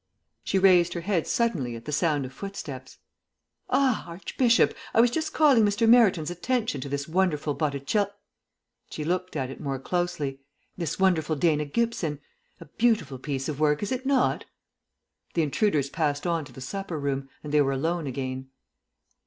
She raised her head suddenly at the sound of footsteps. "Ah, Archbishop, I was just calling Mr. Meryton's attention to this wonderful Botticell " (she looked at it more closely) "this wonderful Dana Gibson. A beautiful piece of work, is it not?" The intruders passed on to the supper room, and they were alone again.